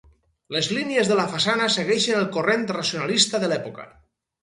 Les línies de la façana segueixen el corrent racionalista de l'època.